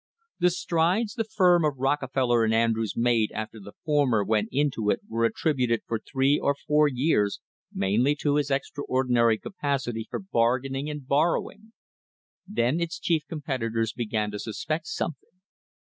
* The strides the firm of Rockefeller and Andrews made after the former went into it were attributed for three or four years mainly to his extraordinary capacity for bargaining and bor rowing. Then its chief competitors began to suspect some thing.